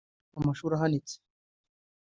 amashuri ahanitse